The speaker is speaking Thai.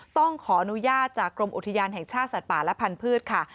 ต้องขออนุญาตจากกรมอุทยานแห่งชาติสัตว์ป่าและพันธุ์ค่ะ